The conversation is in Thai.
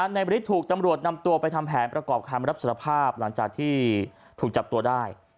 บริสถูกตำรวจนำตัวไปทำแผนประกอบคำรับสารภาพหลังจากที่ถูกจับตัวได้